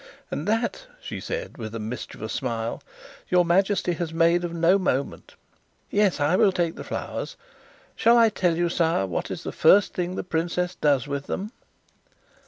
"And that," she said, with a mischievous smile, "your Majesty has made of no moment. Yes, I will take the flowers; shall I tell you, sire, what is the first thing the princess does with them?"